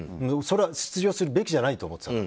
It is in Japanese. それは出場するべきじゃないと思ってた。